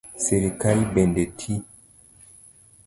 Sirkal bende ti